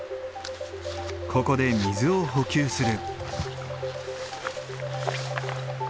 ここで水を補給する。